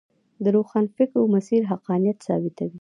د روښانفکرو مسیر حقانیت ثابتوي.